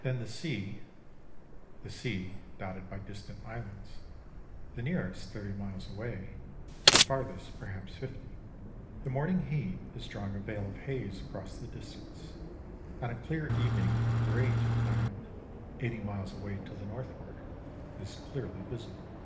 Then the sea, the sea dotted by distant islands, the nearest thirty miles away, the farthest perhaps fifty. The morning heat is drawing a veil of haze across the distance; on a clear evening a great island, eighty miles away to the northward, is clearly visible.